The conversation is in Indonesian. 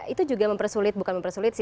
itu juga mempersulit bukan mempersulit sih